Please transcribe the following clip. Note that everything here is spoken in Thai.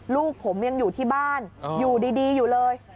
ลูกผมยังอยู่ที่บ้านอยู่ดีอยู่เลย